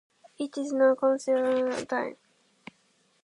It is now considered one of the top gadgets of all time.